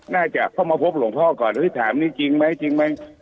น่าจะเข้ามาพบหลวงพ่อก่อนเฮ้ยถามนี่จริงไหมจริงไหม